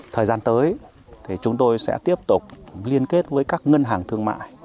thời gian tới thì chúng tôi sẽ tiếp tục liên kết với các ngân hàng thương mại